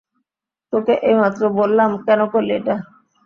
তোকে এইমাত্র বললাম-- কেন করলি এটা?